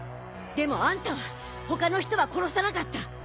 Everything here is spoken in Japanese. でもあんたは他の人は殺さなかった。